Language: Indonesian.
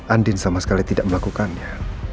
andin sama sekali tidak melakukannya